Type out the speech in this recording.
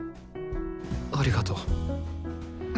ありがとう。